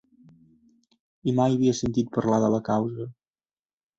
I mai havia sentit a parlar de la causa!